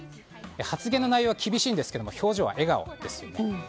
発言の内容は厳しいんですが表情は笑顔ですよね。